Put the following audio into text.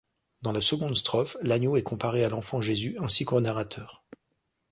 Dans la seconde strophe, l'agneau est comparé à l'enfant Jésus ainsi qu'au narrateur.